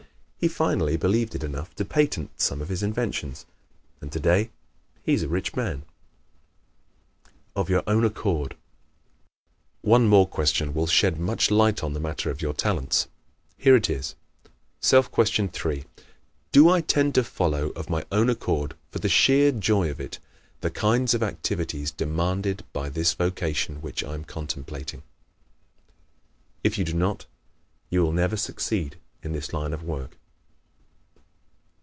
He finally believed it enough to patent some of his inventions, and today he is a rich man. Of "Your Own Accord" ¶ One more question will shed much light on the matter of your talents. Here it is: Self Question 3 _Do I tend to follow, of my own accord, for the sheer joy of it, the =kinds of activity= demanded by this vocation which I am contemplating?_ If you do not you will never succeed in this line of work.